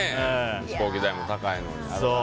飛行機代も高いのに。